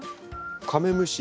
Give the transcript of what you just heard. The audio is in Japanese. カメムシ。